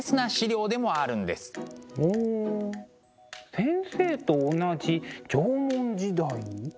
ほう先生と同じ縄文時代。